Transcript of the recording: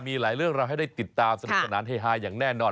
มีหลายเรื่องเราให้ได้ติดตามสนุกสนานเฮฮาอย่างแน่นอน